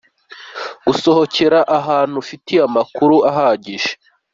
Gusohokera ahantu ufitiye amakuru ahagije .